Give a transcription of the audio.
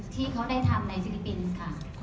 ที่เขาได้ทำในฟิลิปปินส์ค่ะ